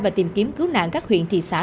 và tìm kiếm cứu nạn các huyện thị xã